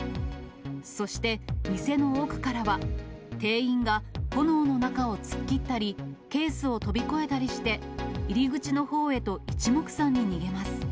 そして店の奥からは、店員が炎の中を突っ切ったり、ケースを飛び越えたりして、入り口のほうへといちもくさんに逃げます。